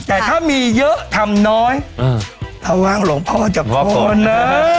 แต่ถ้ามีเยอะทำน้อยถ้าว่างหลวงพ่อจะพูดนะ